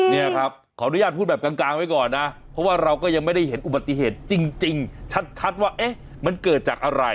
นี่ครับขออนุญาตพูดแบบกลางไว้ก่อนนะเพราะว่าเราก็ยังไม่ได้เห็นอุบัติเหตุจริงชัดว่าเอ๊ะมันเกิดจากอะไร